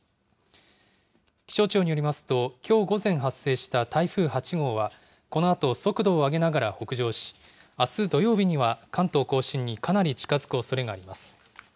気象庁によりますと、きょう午前発生した台風８号は、このあと、速度を上げながら北上し、あす土曜日には関東甲信にかなり近づくおそれがあります。